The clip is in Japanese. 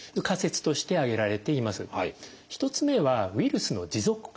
１つ目はウイルスの持続感染。